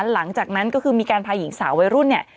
หลังจากนั้นก็คือมีการพาหญิงสาววัยรุ่นเนี่ย